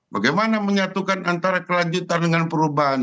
bagaimana menyatukan antara kelanjutan dengan perubahan